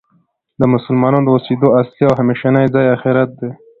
د مسلمانانو د اوسیدو اصلی او همیشنی ځای آخرت دی .